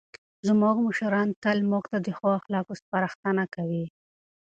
زموږ مشران تل موږ ته د ښو اخلاقو سپارښتنه کوي.